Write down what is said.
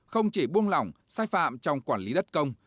không chỉ buông lỏng sai phạm trong quản lý đất công